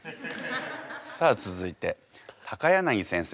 さあ続いて柳先生